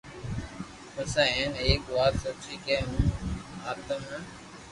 پسي ۾ ايڪ وات سوچي ڪي ھون ايم نھ